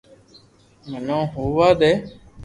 منو ھووا دي